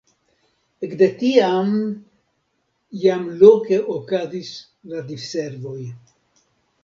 Ekde tiam jam loke okazis la diservoj.